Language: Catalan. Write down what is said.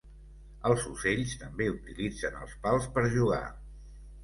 Els ocells també utilitzen els pals per jugar.